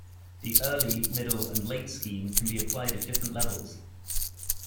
The "Early", "Middle" and "Late" scheme can be applied at different levels.